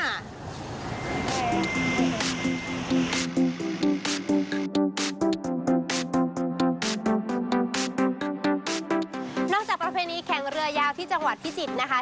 จากประเพณีแข่งเรือยาวที่จังหวัดพิจิตรนะคะ